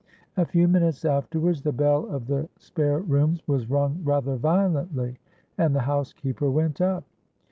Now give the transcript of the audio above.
A few minutes afterwards the bell of the spare rooms was rung rather violently; and the housekeeper went up.